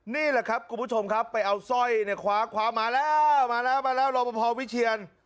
นี่แหละครับคุณผู้ชมครับไปเอาสร้อยเนี่ยคว้ามาแล้วมาแล้วมาแล้วรอปภวิเชียน